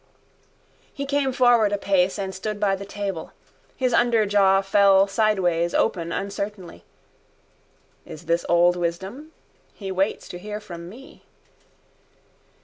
He came forward a pace and stood by the table. His underjaw fell sideways open uncertainly. Is this old wisdom? He waits to hear from me.